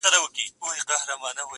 گراني فريادي دي بـېــگـــاه وويل.